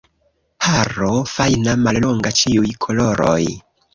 Haro fajna, mallonga, ĉiuj koloroj.